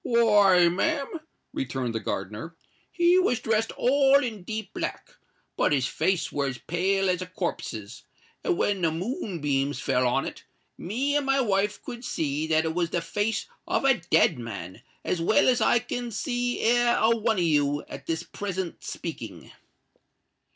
"Why, ma'am," returned the gardener, "he was dressed all in deep black; but his face were as pale as a corpse's; and when the moonbeams fell on it, me and my wife could see that it was the face of a dead man as well as I can see e'er a one of you at this present speaking."